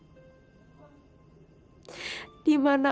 karangga dan anak anak yang lain